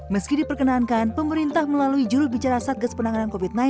meski diperkenankan pemerintah melalui jurubicara satgas penanganan covid sembilan belas